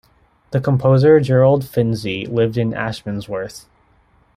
The composer Gerald Finzi lived in Ashmansworth.